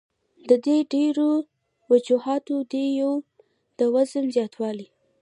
د دې ډېر وجوهات دي يو د وزن زياتوالے ،